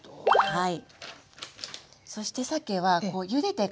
はい。